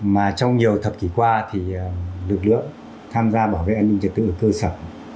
mà trong nhiều thập kỷ qua thì lực lượng tham gia bảo vệ an ninh trật tự ở cơ sở